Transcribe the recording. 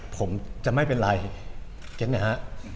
ผมจะไม่เป็นไรเห็นไหมฮะ